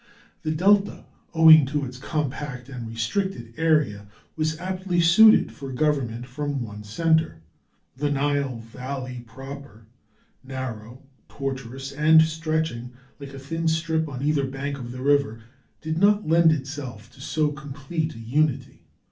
The Delta, owing to its compact and restricted area, was aptly suited for government from one centre; the Nile valley proper, narrow, tortuous, and stretching like a thin strip on either bank of the river, did not lend itself to so complete a unity.